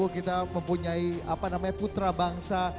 kita mempunyai apa namanya putra bangsa